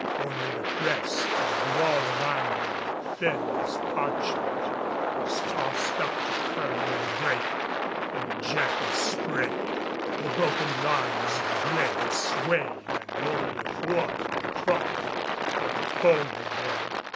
Only the crest, in a wall of amber thin as parchment, was tossed up to curl and break in a jet of spray; and broken lines of gray swayed and rolled athwart the trough where the foam had been.